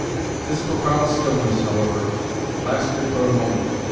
This profound stillness, however, lasted but a moment.